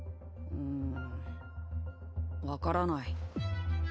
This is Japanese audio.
うん分からない。